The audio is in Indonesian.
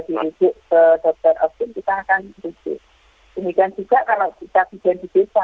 ini kan juga kalau kita bergerak di desa